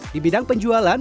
di bidang penjualan